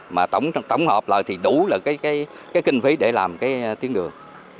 mà tổng hợp là thì đủ là cái kinh phí để làm cái tiến đường